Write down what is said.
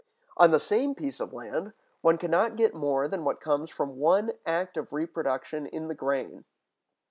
On the same piece of land, one can not get more than what comes from one act of reproduction in the grain.